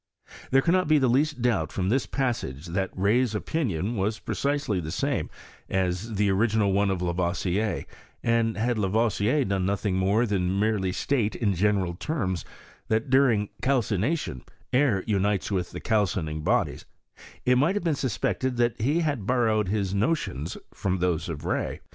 There cannot be the least donht from this passage that Key's opinion was precisely the same as the original one of Lavoisier, and had lavoisier done nothing more than merely state in general terms that during calcination air unites with the calcining bodies, it might have been suspected that he had borrowed his notions from those of Rey.